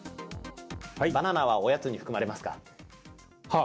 バナナはおやつに含まれますはあ。